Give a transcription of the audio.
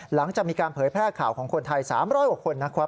หลังจากมีการเผยแพร่ข่าวของคนไทย๓๐๐กว่าคนนะครับ